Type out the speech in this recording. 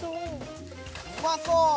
うまそう。